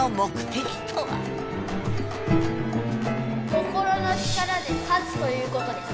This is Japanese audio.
「心の力」で勝つということです。